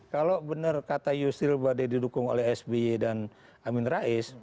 kalau benar kata yusril bade didukung oleh sby dan amin rais